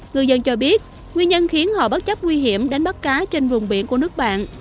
người dân cho biết nguyên nhân khiến họ bất chấp nguy hiểm đánh bắt cá trên vùng biển của nước bạn